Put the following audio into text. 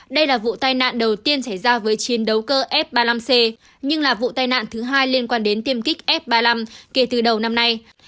đây là vụ tai nạn đầu tiên xảy ra với chiến đấu cơ f ba mươi năm c nhưng là vụ tai nạn thứ hai liên quan đến tiêm kích f ba mươi năm kể từ đầu năm nay